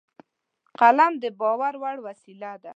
قلم د باور وړ وسیله ده